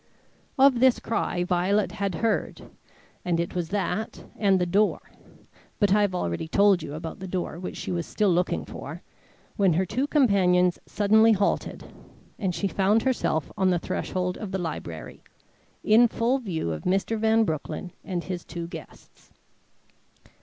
Of this cry Violet had heard, and it was that and the door But I have already told you about the door which she was still looking for, when her two companions suddenly halted, and she found herself on the threshold of the library, in full view of Mr. Van Broecklyn and his two guests.